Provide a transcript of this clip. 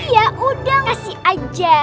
ya udah kasih aja